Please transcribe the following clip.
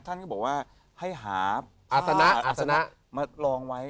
ท่านก็บอกว่าให้หาอาศนะอาศนะมาลองไว้